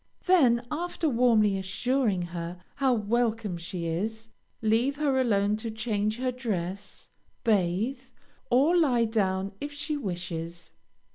Then, after warmly assuring her how welcome she is, leave her alone to change her dress, bathe, or lie down if she wishes.